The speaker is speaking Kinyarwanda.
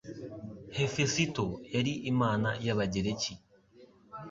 Hefesito yari imana y'Abagereki